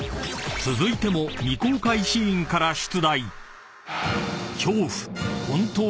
［続いても未公開シーンから出題］